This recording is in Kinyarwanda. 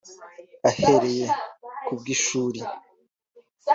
Ahereye k’ubw’ishuri